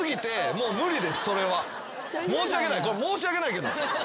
申し訳ない申し訳ないけど。